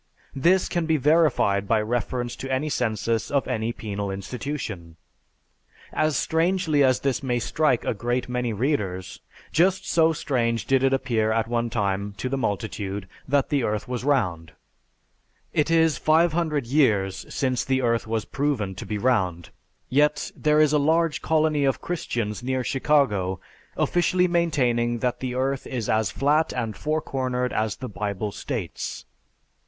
This can be verified by reference to any census of any penal institution. As strangely as this may strike a great many readers, just so strange did it appear at one time to the multitude that the earth was round. (It is 500 years since the earth was proven to be round, yet there is a large colony of Christians near Chicago officially maintaining that the earth is as flat and four cornered as the Bible states.)